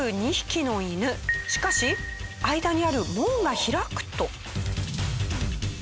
しかし間にある門が開くと。